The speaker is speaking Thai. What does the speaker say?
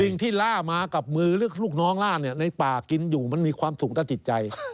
คนที่ล่ามากับมือหรือลูกน้องล่าในป่ากินอยู่มันมีความสุขตั้งแต่จิตใจ